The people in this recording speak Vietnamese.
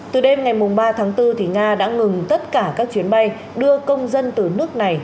từ đêm ngày ba tháng bốn nga đã ngừng tất cả các chuyến bay đưa công dân từ nước này